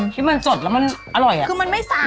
ที่มันสดแล้วมันอร่อยอ่ะคือมันไม่ซ้ำ